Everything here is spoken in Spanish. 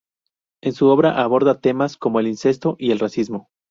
En su obra aborda temas como el incesto y el racismo.